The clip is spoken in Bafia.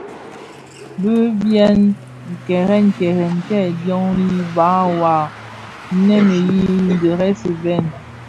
Bi byèè kèrèn kèrèn kè dhiyômi bas wua nneèn nyi dheresèn bhèd.